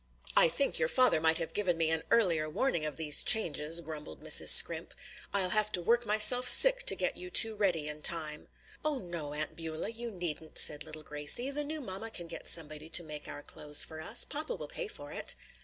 "I think your father might have given me an earlier warning of these changes," grumbled Mrs. Scrimp. "I'll have to work myself sick to get you two ready in time." "Oh, no, Aunt Beulah, you needn't," said little Gracie, "the new mamma can get somebody to make our clothes for us. Papa will pay for it."